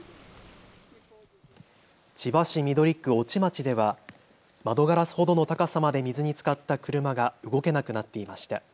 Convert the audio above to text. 千葉市緑区越智町では窓ガラスほどの高さまで水につかった車が動けなくなっていました。